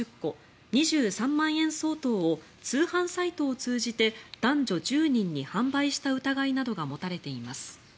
２３万円相当を通販サイトを通じて男女１０人に販売した疑いなどが持たれています。